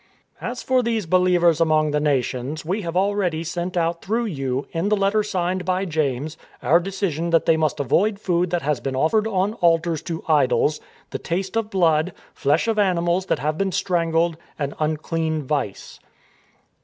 " As for these behevers among the Nations, we have already sent out through you, in the letter signed by James, ^ our decision that they must avoid food that has been offered on altars to idols, the taste of blood, flesh of animals that have been strangled, and unclean vice."